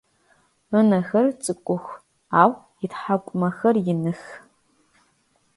Ынэхэр цӏыкӏух ау ытхьакӏумэхэр иных.